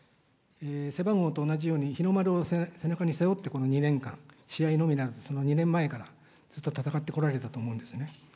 背番号と同じように、日の丸を背中に背負ってこの２年間、試合のみならず、その２年前からずっと戦ってこられたと思うんですね。